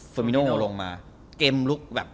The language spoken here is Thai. มิโนลงมาเกมลุกแบบ